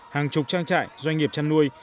hàng chục trang trại doanh nghiệp chăn nuôi